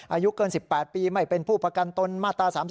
อายุเกิน๑๘ปีไม่เป็นผู้ประกันตนมาตรา๓๔